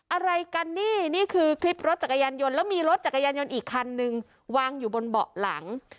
อะไรกันนี่นี่คือคลิปรถจักรยานยนต์แล้วมีรถจักรยานยนต์อีกคันนึงวางอยู่บนเบาะหลัง